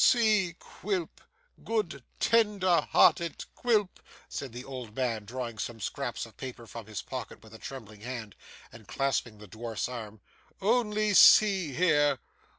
'See, Quilp, good tender hearted Quilp,' said the old man, drawing some scraps of paper from his pocket with a trembling hand, and clasping the dwarf's arm, 'only see here.